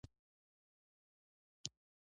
بهانه کول د ناکامیانو ناروغي ده.